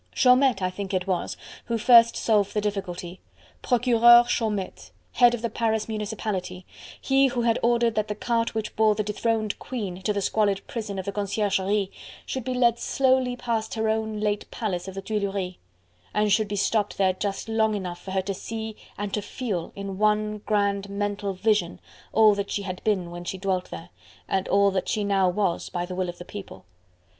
Chaumette, I think it was, who first solved the difficulty: Procureur Chaumette, head of the Paris Municipality, he who had ordered that the cart which bore the dethroned queen to the squalid prison of the Conciergerie should be led slowly past her own late palace of the Tuileries, and should be stopped there just long enough for her to see and to feel in one grand mental vision all that she had been when she dwelt there, and all that she now was by the will of the People.